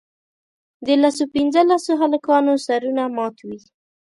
د لسو پینځلسو هلکانو سرونه مات وي.